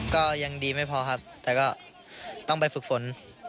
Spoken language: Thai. ก็ยังดีไม่พอครับแต่ก็ต้องไปฝึกฝนมันอีกเยอะครับ